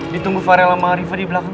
ditunggu farel sama ariefa di belakang